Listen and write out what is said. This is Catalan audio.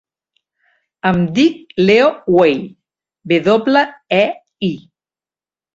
Em dic Leo Wei: ve doble, e, i.